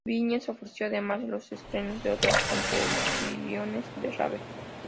Viñes ofreció además los estrenos de otras composiciones de Ravel.